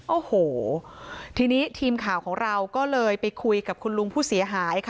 โอ้โหทีนี้ทีมข่าวของเราก็เลยไปคุยกับคุณลุงผู้เสียหายค่ะ